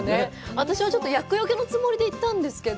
私はちょっと厄よけのつもりで行ったんですけど。